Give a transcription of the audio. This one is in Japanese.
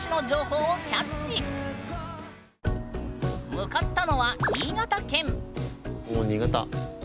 向かったのはおお新潟。